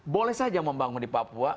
boleh saja membangun di papua